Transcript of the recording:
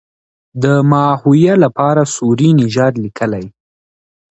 د ماهویه لپاره سوري نژاد لیکلی.